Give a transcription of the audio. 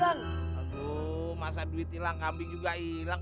aduh masa duit ilang kambing juga ilang